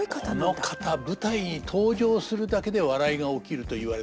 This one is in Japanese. この方舞台に登場するだけで笑いが起きると言われた。